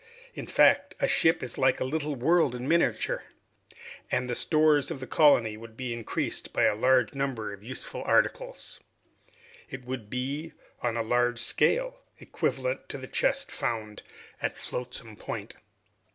In fact, a ship is like a little world in miniature, and the stores of the colony would be increased by a large number of useful articles. It would be, on a large scale, equivalent to the chest found at Flotsam Point.